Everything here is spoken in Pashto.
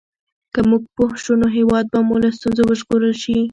که موږ پوه شو نو هېواد به مو له ستونزو وژغورل شي.